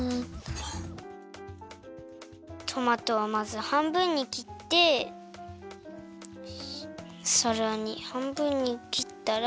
トマトはまずはんぶんにきってさらにはんぶんにきったら。